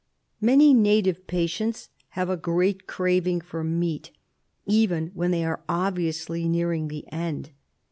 Many native patients have a great craving for meat, even when they are obviously nearing their end.